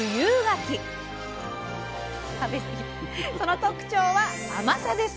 その特徴は甘さです！